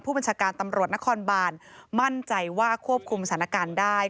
บัญชาการตำรวจนครบานมั่นใจว่าควบคุมสถานการณ์ได้